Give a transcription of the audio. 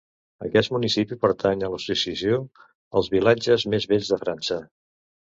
Aquest municipi pertany a l'associació Els vilatges més bells de França.